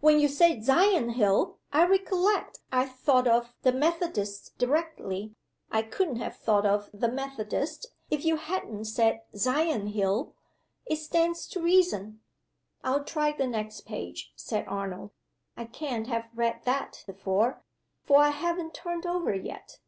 When you said 'Sion hill' I recollect I thought of the Methodists directly. I couldn't have thought of the Methodists, if you hadn't said 'Sion hill.' It stands to reason." "I'll try the next page," said Arnold. "I can't have read that before for I haven't turned over yet."